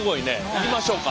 いきましょうか。